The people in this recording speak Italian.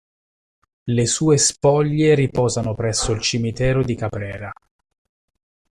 Le sue spoglie riposano presso il cimitero di Caprera.